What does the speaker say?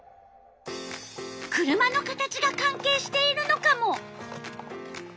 車の形が関係しているのカモ？